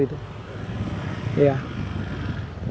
menghilangkan rasa minder itu